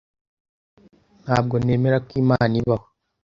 Ntabwo nemera ko Imana ibaho.